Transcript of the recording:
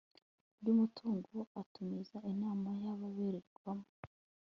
ry umutungo atumiza inama y ababerewemo